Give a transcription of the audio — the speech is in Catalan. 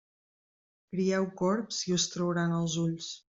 Crieu corbs i us trauran els ulls.